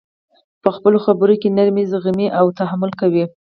په خپلو خبر کي نرمي، زغم او تحمل کوئ!